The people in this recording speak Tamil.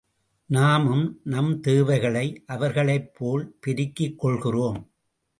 நாமும் நம் தேவைகளை அவர்களைப்போல் பெருக்கிக் கொள்கிறோம்.